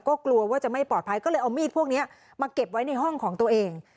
ก็กลัวว่าจะไม่ปลอดภัยก็เลยเอามีดพวกนี้มาเก็บไว้ในห้องของตัวเอง